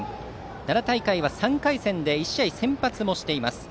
奈良大会は３回戦で１試合先発もしています。